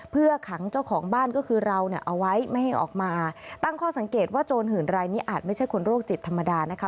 เพื่อขังเจ้าของบ้านก็คือเราเนี่ยเอาไว้ไม่ให้ออกมาตั้งข้อสังเกตว่าโจรหื่นรายนี้อาจไม่ใช่คนโรคจิตธรรมดานะคะ